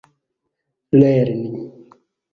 lerni